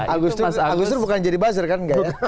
agustus bukan jadi buzzer kan